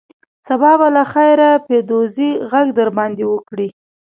سبا به له خیره پیدوزي غږ در باندې وکړي.